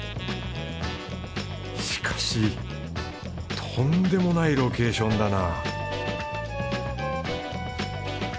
しかしとんでもないロケーションだな